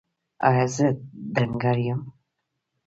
ایا زه ډنګر یم؟